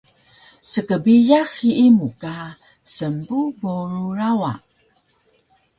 Skbiyax hiyi mu ka smbu boru rawa